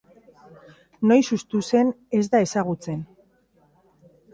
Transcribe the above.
Noiz hustu zen ez da ezagutzen.